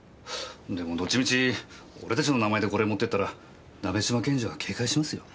でもどっちみち俺たちの名前でこれ持ってったら鍋島検事は警戒しますよ。